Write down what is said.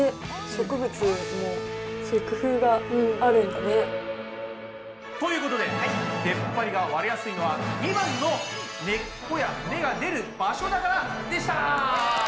賢いね！ということででっぱりが割れやすいのは２番の「根っこや芽が出る場所だから」でした。